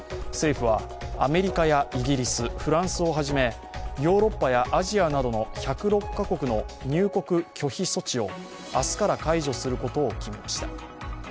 政府は、アメリカやイギリス、フランスをはじめ、ヨーロッパやアジアなどの１０６カ国の入国拒否措置を明日から解除することを決めました。